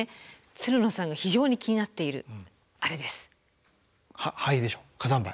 つるのさんが非常に気になっているあれです。